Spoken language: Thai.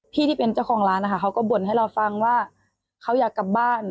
ที่เป็นเจ้าของร้านนะคะเขาก็บ่นให้เราฟังว่าเขาอยากกลับบ้าน